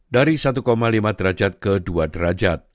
dari satu lima derajat ke dua derajat